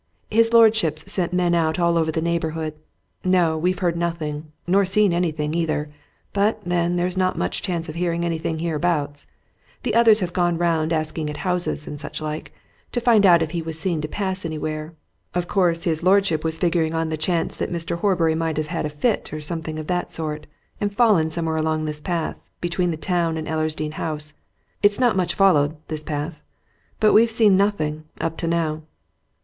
"His lordship's sent men out all over the neighbourhood. No, we've heard nothing, nor seen anything, either. But, then, there's not much chance of hearing anything hereabouts. The others have gone round asking at houses, and such like to find out if he was seen to pass anywhere. Of course, his lordship was figuring on the chance that Mr. Horbury might have had a fit, or something of that sort, and fallen somewhere along this path, between the town and Ellersdeane House it's not much followed, this path. But we've seen nothing up to now."